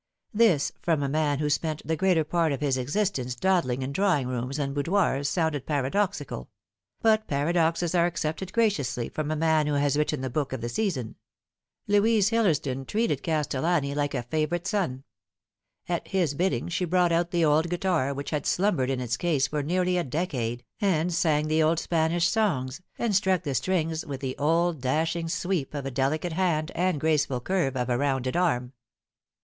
This from a man who spent the greater part of his existence dawdling in drawing rooms and boudoirs sounded paradoxical ; but paradoxes are accepted graciously from a man who has written the book of the season. Louise Hillersdon treated Castellani like a favourite son. At his bidding she brought out the old guitar which had slumbered in its case for nearly a decade, and sang the old Spanish songs, and struck the strings with the old dashing sweep of a delicate hand, and graceful curve of a rounded arm.